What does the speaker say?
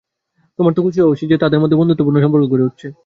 তোমার তো খুশি হওয়া উচিত যে, তাদের মধ্য বন্ধুত্বপূর্ণ সম্পর্ক গড়ে উঠছে।